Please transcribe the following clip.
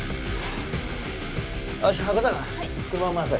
よし箱坂車回せ。